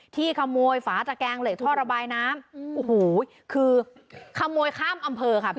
ที่ขโมยฝาตะแกงเหล็กท่อระบายน้ำโอ้โหคือขโมยข้ามอำเภอค่ะพี่